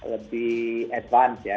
lebih advance ya